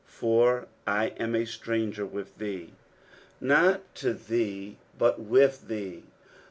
" For I am a ttranger with thee." Not (o thee, but ailh thee.